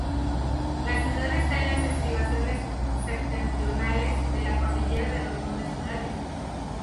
La ciudad está en las estribaciones septentrionales de la cordillera de los montes Urales.